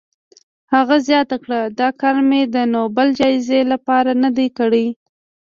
هغه زیاته کړه، دا کار مې د نوبل جایزې لپاره نه دی کړی.